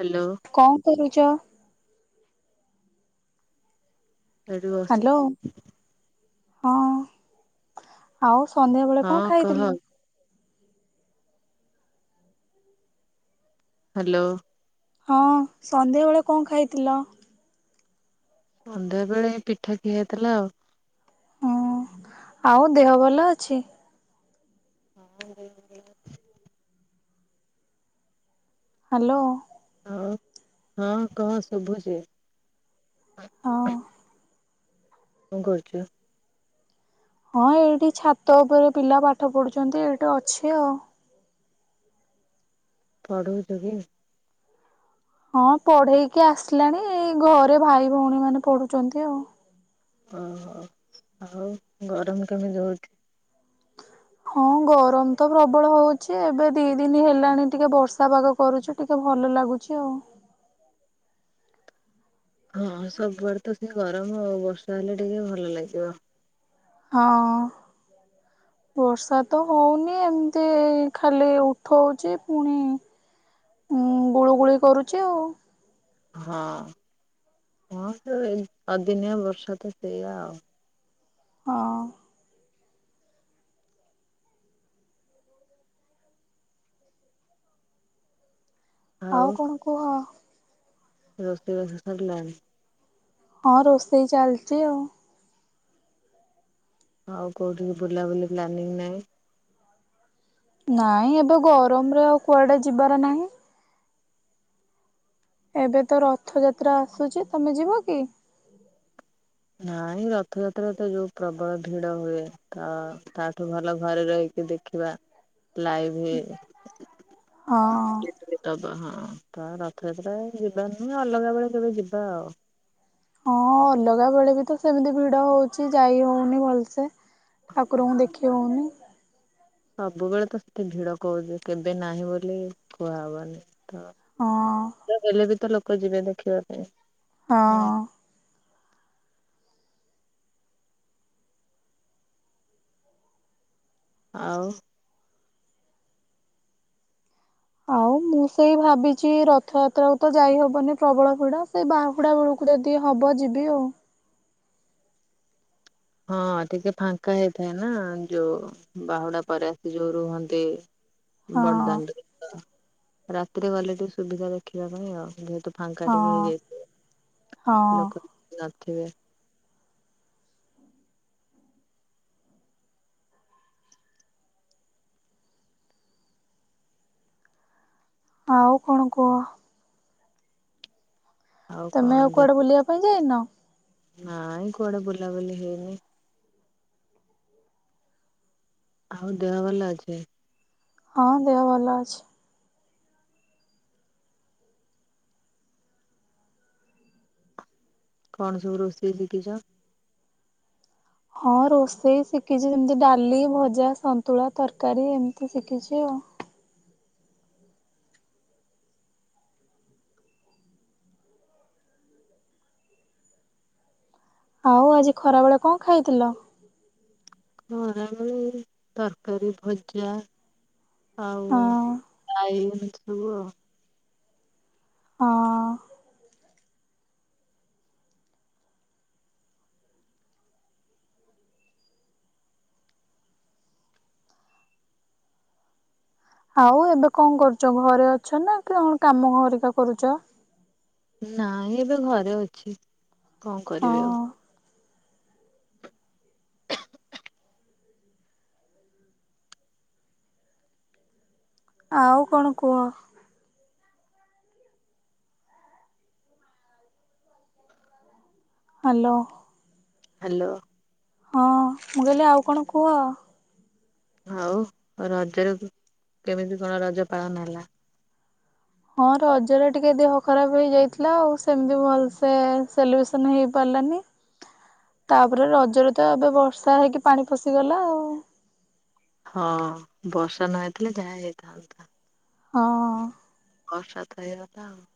Hello କଣ କରୁଛ? ଏଇଠି ହ୍ୟାଲୋ ବସଛି। ହଁ ଆଉ ସନ୍ଧ୍ୟା ବେଳେ କଣ ହଁ କହ ଖାଇଥିଲ? ହ୍ୟାଲୋ ହଁ ସନ୍ଧ୍ୟାବେେଳେ କଣ ଖାଇଥିଲ? ସନ୍ଧ୍ୟା ବେଳେ ପିଠା ଖିଆ ହେଇଥିଲା ଆଉ। ହଁ ଆଉ ଦେହ ଭଲ ଅଛି? [unintelligible] ହ୍ୟାଲୋ। ହଁ କହ ଶୁଭୁଛି। ହଁ କଣ କରୁଛୁ? ହଁ ଏଇଠି ଛାତ ଉପରେ ପିଲା ପାଠ ପଢୁଛନ୍ତି ଏଇଠି ଅଛି ଆଉ। ପଢଉଛୁ କି? ହଁ ପଢେଇକି ଆସିଲାଣି, ଏଇ ଘରେ ଭାଇ ଭଉଣୀମାନେ ପଢୁଛନ୍ତି ଆଉ। ଓହୋ ଆଉ ଗରମ କେମିତି ହଉଛି? ହଁ ଗରମ ତ ପ୍ରବଳ ହଉଛି ଏବେ ଦି ଦିନ ହେଲାଣି ଟିକେ ବର୍ଷା ପାଗ କରୁଛୁ ଟିକେ ଭଲ ଲାଗୁଛି ଆଉ। ହଁ ସବୁଆଡ ତ ସେ ଗରମ ଆଉ ବର୍ଷା ହେଲେ ଟିକେ ଭଲ ଲାଗିବ। ହଁ ବର୍ଷା ତ ହଉନି ଏମିତି ଖାଲି ଉଠଉଛି ପୁଣି ଗୁଳୁଗୁଳି କରୁଛି ଆଉ। ହଁ ହଁ ଅଦିନିଆ ବର୍ଷା ତ ସେଇଆ ଆଉ। ହଁ। ଆଉ କଣ କୁହ। ରୋଷେଇବାସ ସରିଲାଣି? ହଁ ରୋଷେଇ ଚାଲିଛି ଆଉ। ଆଉ କୋଉଠିକି ବୁଲାବୁଲି ପ୍ଲାନିଂ ନାହିଁ? ନାଇଁ ଏବେ ଗରମରେ ଆଉ କୁଆଡେ ଯିବାର ନାହିଁ। ଏବେ ତ ରଥଯାତ୍ରା ଆସୁଛି ତମେ ଯିବ କି? ନାଇଁ ରଥଯାତ୍ରା ତ ଯୋଉ ପ୍ରବଳ ଭିଡ ହୁଏ ତ ତାଠୁ ଭଲ ଘରେ ରହିକି ଦେଖିବା? ଲାଇଭ ହେ ହଁ ହଁ ତା ରଥଯାତ୍ରା ଯିବାନି ଅଲଗା ବେଳେ କେବେ ଯିବା ଆଉ। ହଁ ଅଲଗା ବେଳେ ବି ତ ସେମିତି ଭିଡ ହଉଛି ଯାଇ ହଉନି ଭଲସେ, ଠାକୁରଙ୍କୁ ଦେଖି ହଉନି। ସବୁବେଳେ ତ ସେଠି ଭିଡ କହୁଛି କେବେ ନାହିଁ ବୋଲି କୁହା ହବନି। ହଁ ତ ହେଲେ ବି ତ ଲୋକ ଯିବେ ଦେଖିବା ପାଇଁ। ହଁ। ହୁଁ। ଆଉ। ଆଉ ମୁଁ ସେଇ ଭାବିଛି ରଥଯାତ୍ରାକୁ ତ ଯାଇ ହବନି ପ୍ରବଳ ଭିଡ଼ ସେଇ ବାହୁଡା ବେଳକୁ ଯଦି ହବ ଯିବି ଆଉ। ହଁ ଟିକେ ଫାଙ୍କା ହେଇଥାଏ ନା ଯୋଉ ବାହୁଡା ପରେ ଆସି ଯୋଉ ରୁହନ୍ତି ବଡଦାଣ୍ଡରେ ରାତିରେ ଗଲେ ଟିକେ ସୁବିଧା ଦେଖିବା ପାଇଁ ଆଉ ଯେହେତୁ ଫାଙ୍କା ହଁ ଟିକେ ହଁ ହେଇଯାଇଥାଏ ଲୋକ ହଁ [unintelligible] ଆଉ କଣ କୁହ। ତମେ କଣ ଆଉ ଦେ କୁଆଡେ ବୁଲିବା ପାଇଁ ଯାଇନ? ନାଇଁ କୁଡେ ବୁଲାବୁଲି ହେଇନି। ଆଉ ଦେହ ଭଲ ଅଛି? ହଁ ଦେହ ଭଲ ଅଛି। କଣ ସବ ରୋଷେଇ ଶିଖିଛ? ହଁ ରୋଷେଇ ଶିଖିଛି ଯେମତି ଡାଲି ଭଜା ସନ୍ତୁଳା ତରକାରୀ ଏମିତି ଶିଖିଛି ଆଉ। ଆଉ ଆଜି ଖରା ବେଳେ କଁ ଖାଇଥିଲ? ଖରାବେଳେ ତରକାରୀ ଭଜା ଆାଉ ହଁ [unintelligible] ହଁ। ଆଉ ଏବେ କଣ କରୁଚ? ଘରେ ଅଛ ନା କି କଣ କାମ ଘରିକା କରୁଚ? ନାଇଁ ଏବେ ଘରେ ଅଛି। କଣ ହଁ କରିବି ଆଉ। ଆଉ କଣ କୁହ? ହାଲୋ। ହାଲୋ। ହଁ ମୁଁ କହିଲି ଆଉ କଣ କୁହ? ହଉ ରଜରେ କେମିତି କଣ ରଜ ପାଳନ ହେଲା? ହଁ ରଜରେ ଟିକେ ଦେହ ଖରାପ ହେଇଯାଇଥିଲା ଆଉ ସେମିତି ଭଲସେ ସେଲିବ୍ରେସନ ହେଇପାରିଲାନି। ତାପରେ ରଜରେ ତ ଏବେ ବର୍ଷା ହେଇକି ପାଣି ପଶିଗଲା ଆଉ। ହଁ ବର୍ଷା ନ ହେଇଥିଲେ ଯାହା ହେଇଥାନ୍ତା। ହଁ। ବର୍ଷା ତ। [unintelligible]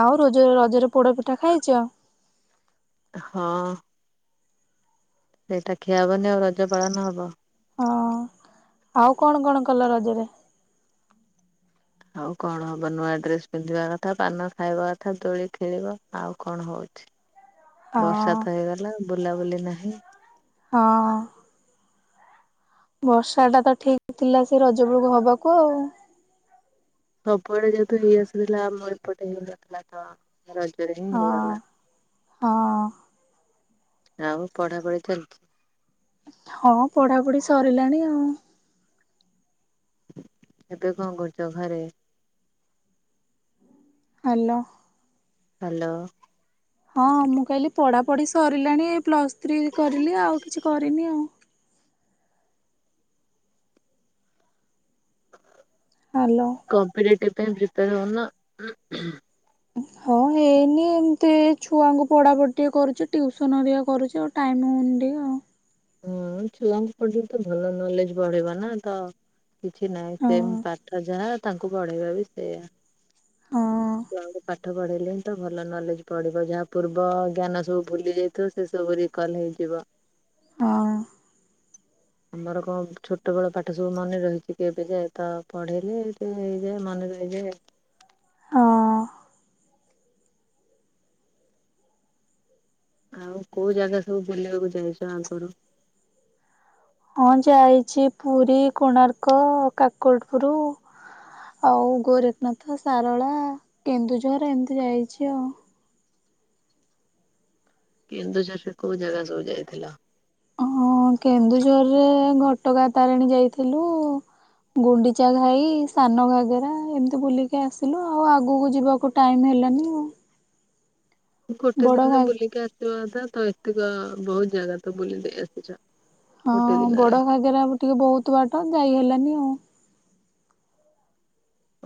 ଆଉ ରଜ ରଜରେ ପୋଡା ପିଠା ଖାଇଚ? ହଁ। ସେଇଟା ଖିଆହବନି ଆଉ ରଜ ପାଳନ ହବ। ହଁ ଆଉ କଣ କଣ କଲ ରଜରେ? ଆଉ କଣ ହବ ନୂଆ ଡ୍ରେସ ପିନ୍ଧିବା କଥା, ପାନ ଖାଇବା କଥା, ଦୋଳି ଖେଳିବ ଆଉ କଣ ହଉଛି। ବର୍ଷା ହଁ ତ ହେଇଗଲା ବୁଲାବୁଲି ନାହିଁ। ହଁ। ବର୍ଷା ଟା ତ ଠିକ ଥିଲା ସେ ରଜ ବେଳୁକୁ ହବାକୁ ଆଉ। ସବୁଆଡେ ଯେହେତୁ ହେଇ ଆସିଥିଲା ଆମ ଏପଟେ ହେଇନଥିଲା ତ ରଜରେ ହିଁ ହେଇଗଲା। ହଁ ହଁ [inaudible] ଆଉ ପଢାପଢି ଚାଲିଛି? ହଁ ପଢାପଢି ସରିଲାଣି ଆଉ। ଏବେ କଣ କରୁଚ ଘରେ? ହାଲୋ। ହାଲୋ। ହଁ ମୁଁ କହିଲି ପଢାପଢି ସରିଲାଣି ଏଇ ପ୍ଲସ ଥ୍ରୀ କରିଲି ଆଉ କିଛି କରିନି ଆଉ। ହାଲୋ। କମ୍ପିଟେଟିଭ୍ ପାଇଁ ପ୍ରି [unintelligible] ହଁ ହେଇନି ଏମିତି ଛୁଆଙ୍କୁ ପଢାପଢ଼ି ଟିକେ କରୁଛି ଟିଉସନ ଘରିକା କରୁଛି ଆଉ ଟାଇମ ହଉନି ଟିକେ ଆଉ। ହୁଁ ଛୁଆଙ୍କୁ ପଢେଇଲେ ତ ଭଲ ନଲେଜ ବଢିବ ନା ତ କିଛି ନାହିଁ ସେମ୍ ହଁ ପାଠ ଯାହା ତାଙ୍କୁ ପଢେଇବା ବି ସେୟା। ହଁ ଛୁଆଁଙ୍କୁ ପା ପାଠ ପଢେଇଲେ ହିଁ ତ ଭଲ ନଲେଜ ପଢିବ ଯାହା ପୂର୍ବ ଜ୍ଞାନ ସବୁ ଭୁଲି ଯାଇଥିବ ସେ ସବୁ ରିକଲ ହେଇଯିବ। ହଁ। ଆମର କଣ ଛୋଟ ବେଳ ପାଠ ସବୁ ମନେ ରହିଛି କି ଏବେ ଯାଏ ତ ପଢେଇଲେ ଟିକେ ହେଇଯାଏ ମନେ ରହିଯାଏ। ହଁ। ଆଉ କୋଉ ଜାଗା ସବୁ ବୁଲିବାକୁ ଯାଇଛ ଆଗୁରୁ? ହଁ ଯାଇଛି ପୁରୀ, କୋଣାର୍କ, କାକଟପୁର ଆଉ ଗୋରେଖନାଥ, ଶାରଳା, କେନ୍ଦୁଝର ଏମିତି ଯାଇଛି ଆଉ। କେନ୍ଦୁଝର ସେ କୋଉ ଜାଗାକୁ ଯାଇଥିଲ? ହଁ କେନ୍ଦୁଝରରେ ଘଟଗା ତାରେଣୀ ଯାଇଥିଲୁ, ଗୁଣ୍ଡିଚା ଘାଇ ସାନ ଘାଗେରା, ଏମିତି ବୁଲିକି ଆସିଲୁ ଆଉ ଆଗକୁ ଯିବାକୁ ଟାଇମ ହେଲାନି ଆଉ। ଗୋଟେ ବଡ ଦିନରେ ଘା ବୁଲିକି ଆସିବା ତ ଏତିକ ବହୁତ ଜାଗା ତ ବୁଲି ଦେଇ ଆସିଛ। ଗୋଟେ ହଁ ଦିନରେ ବଡ ଘାଗେରା ଟିକେ ବହୁତ ବାଟ ଯାଇ ହେଲାନି। ହଁ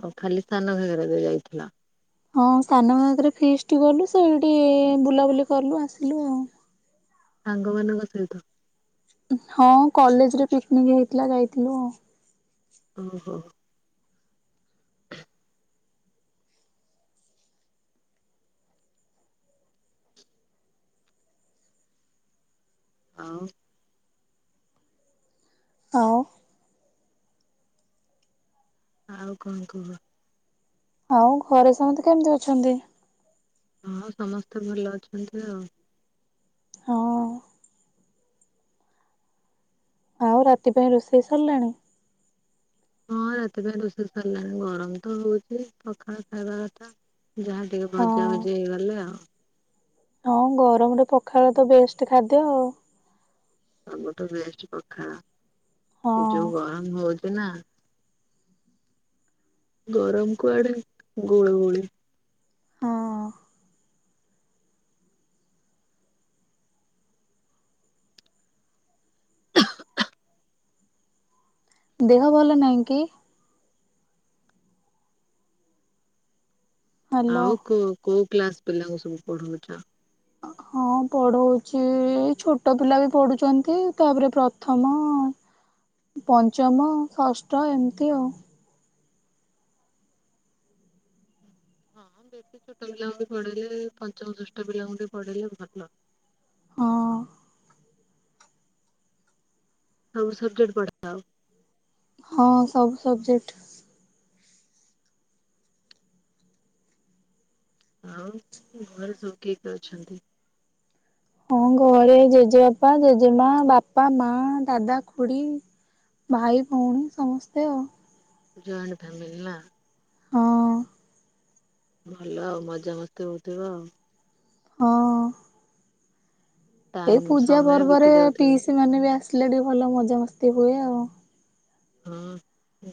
ଓ ଖାଲି ସାନ ଘାଗେରା ଯାଇଥିଲା? ହଁ ସାନ ଘାଗେରା ରେ ଫିଷଟ କଲୁ ସେଇଠି ବୁଲାବୁଲି କଲୁ ଆସିଲୁ ଆଉ। ସାଙ୍ଗ ମାନଙ୍କ ସହିତ ହଁ କଲେଜରେ ପିକନିକ ହେଇଥିଲା ଯାଇଥିଲୁ ଆଉ। ଓହୋ ଆଉ ଆଉ ଆଉ କଣ କୁହ? ଆଉ ଘରେ ସମସ୍ତେ କେମିତି ଅଛନ୍ତି? ହଁ ସମସ୍ତେ ଭଲ ଅଛନ୍ତି ଆଉ। ହଁ ଆଉ ରାତି ପାଇଁ ରୋଷେଇ ସରିଲାଣି? ହଁ ରାତି ପାଇଁ ରୋଷେଇ ସାରିଲାଣି ଗରମ ତ ହଉଛି ପଖାଳ ଖାଇବା କଥା ଯାହା ଟିକେ ମଜା ହଁ। ମଜି ହେଇଗଲେ ଆଉ। ହଁ ଗରମରେ ପଖାଳ ତ ବେଷ୍ଟ ଖାଦ୍ୟ ଆଉ ଆମ ତ ବେଷ୍ଟ ପଖାଳ ଯଉ ହଁ। ଗରମ ହଉ [unintelligible] ଗରମ କୁଆଡେ ଗୁଳୁଗୁଳି। ହଁ ଦେହ ଭଲ ନହିଁ କି? ହ୍ୟାଲୋ। ଆଉ କୁ କୁ କ୍ଲାସ ପିଲାଙ୍କୁ ସବୁ ପଢାଉଛି ଆଉ। ହଁ ପଢଉଛି ଛୋଟ ପିଲା ବି ପଢୁଛନ୍ ଏମିତି ତାପରେ ପ୍ରଥମ ପଞ୍ଚମ ଷଷ୍ଠ ଏମିତି ଆଉ। ହଁ ବେଶୀ ଛୋଟ ପିଲାଙ୍କୁ ବି ପଢ଼େଇଲେ ପଞ୍ଚମ ଷଷ୍ଠ ପିଲାଙ୍କୁ ବି ପଢ଼େଇଲେ ଭଲ। ହଁ ସବୁ ସବଜେକ୍ଟ ପଢ଼ାଓ ହଁ ସବୁ ସବଜେକ୍। ଆଉ ଘରେ ସବୁ କିଏ କିଏ ଅଛନ୍ତି? ହଁ ଘରେ ଜେଜେବାପା ଜେଜେମା ବାପା ମା ଦାଦା ଖୁଡି ଭାଇ ଭଉଣୀ ସମସ୍ତେ ଆଉ। ଜଏଣ୍ଟ ଫ୍ୟାମିଲି ନା? ହଁ ଭଲ ଆଉ ମଜା ମସ୍ତି ହଉଥିବ ଆଉ ହଁ ଏଇ ଟାଇମ ପୂଜା ସମୟ ବିତି ପର୍ବରେ ଯାଉଥିବ ପିଇସି ମାନେ ବି ଆସ ଆଥିଲେ ଟିକେ ଭଲ ମଜାାମସ୍ତି ହୁଏ ଆଉ। ହଁ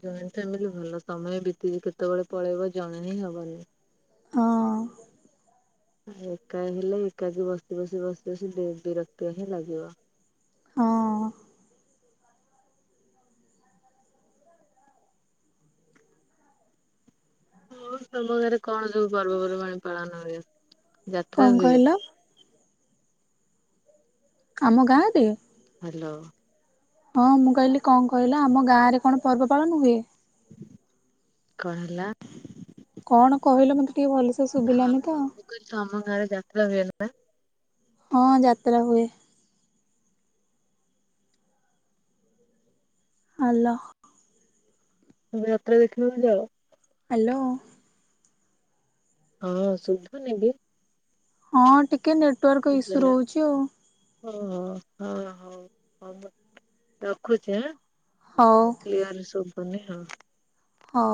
ଜଏଣ୍ଟ ଫାଂମିଲ ଭଲ ସମୟ ବିତି କେତେବେଳେ ପଳେଇବ ଜଣେ ହିଁ ହବନି। ହଁ ଏକା ହେଲେ ଏକାକି ବସି ବସି ବସି ବସି ବିରକ୍ତି ହିଁ ଲାଗିବ। ହଁ ହଁ ତମ ଘରେ କଣ ସବୁ ପର୍ବପର୍ବାଣି ପାଳନ ହୁଏ? ଯାତ୍ରା କଣ ହୁଏ। କହିଲ ଆମ ଗାଁରେ ହ୍ୟାଲୋ ହଁ ମୁଁ କହିଲି କଣ କହିଲ ଆମ ଗାଁ ରେ କଣ ପର୍ବ ପାଳନ ହୁଏ? କଣ ହେଲା? କଣ କହିଲ ମତେ ଟିକେ ଭଲସେ ହଁ ଶୁଭିଲାନି ତ ହଁ ମୁଁ କହିଲି ତମ ଘରେ ଯାତ୍ରା ହୁଏ ବା ହଁ ଯାତ୍ରା ହୁଏ। ହେଲ୍ଲୋ ତମେ ଯାତ୍ରା ଦେଖିବାକୁ ଯାଅ? ହ୍ୟାଲୋ ହଁ ସୁଧୁ ନି କି? ହଁ ଟିକେ ଟିକେ ନେଟୱାର୍କ ଇସ୍ୟୁ ଶୁଭିଲା ରହୁଛି ଆଉ। ଓହୋ ହଁ ହଉ ହଉ ମୁ ରଖୁଛିଁ ଆଁ। ହଉ କ୍ଲିୟର ଶୁଭ ତୁନେ ହଁ ହଁ